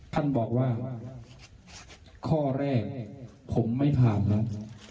ท่านบอกว่าข้อแรกผมไม่ผ่านนั้น